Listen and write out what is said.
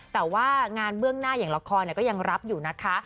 แต่ว่างานเบื้องหน้าอย่างละครก็ยังรับอยู่นะคะ